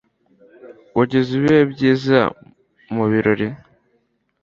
Wagize ibihe byiza mubirori?